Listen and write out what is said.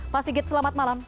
pak sigit selamat malam